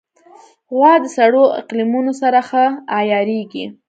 غوا د سړو اقلیمونو سره ښه عیارېږي.